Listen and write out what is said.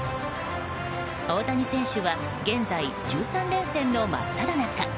大谷選手は現在１３連戦の真っただ中。